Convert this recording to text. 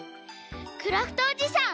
クラフトおじさん